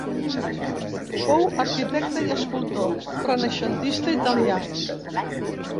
Fou arquitecte i escultor renaixentista italià.